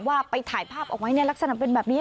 ว่าไปถ่ายภาพเอาไว้ในลักษณะเป็นแบบนี้